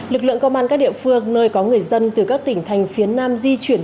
lực lượng công an các địa phương nơi có người dân từ các tỉnh thành phía nam di chuyển